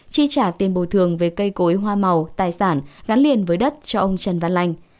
chi trả tiền bồi thường về cây cối hoa màu tài sản gắn liền với đất cho ông trần văn lành